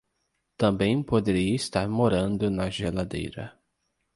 Também poderia estar morando na geladeira.